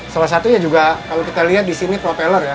salah satunya juga kalau kita lihat di sini propeller ya